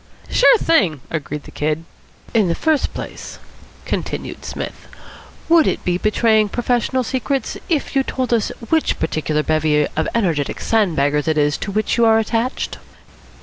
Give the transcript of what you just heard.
"Sure thing," agreed the Kid. "In the first place," continued Psmith, "would it be betraying professional secrets if you told us which particular bevy of energetic sandbaggers it is to which you are attached?"